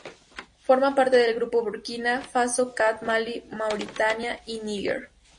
Forman parte del grupo: Burkina Faso, Chad, Malí, Mauritania y Níger.